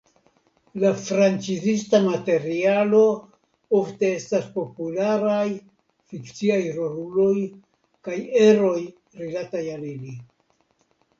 La franĉizita materialo ofte estas popularaj fikciaj roluloj kaj eroj rilataj al ili.